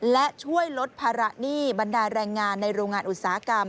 และช่วยลดภาระหนี้บรรดาแรงงานในโรงงานอุตสาหกรรม